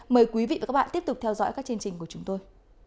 mời quý vị và các bạn tiếp tục theo dõi các chương trình của chúng tôi